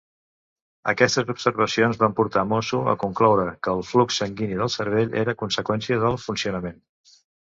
Aquestes observacions van portar Mosso a concloure que el flux sanguini del cervell era conseqüència del funcionament.